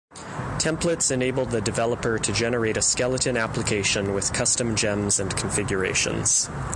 Templates enable the developer to generate a skeleton application with custom gems and configurations.